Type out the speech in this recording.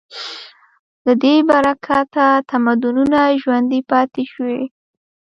د دې له برکته تمدنونه ژوندي پاتې شوي.